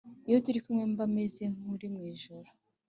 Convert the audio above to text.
Iyo turi kumwe mba meze nkuri mu ijuru